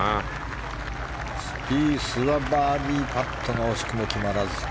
スピースはバーディーパットが惜しくも決まらず。